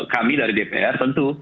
kami dari dpr tentu